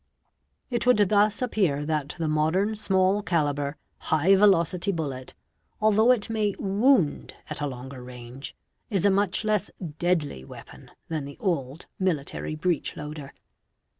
It would thus appear that the modern small calibre, high velocity bullet, although it may wound at a longer range, is a much less deadly weapon than the old military breech loader.